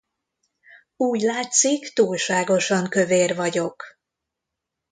Úgy látszik, túlságosan kövér vagyok!